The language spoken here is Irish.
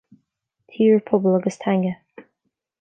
Tír, Pobal agus Teanga